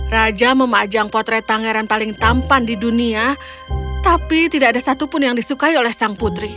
raja memajang potret pangeran paling tampan di dunia tapi tidak ada satupun yang disukai oleh sang putri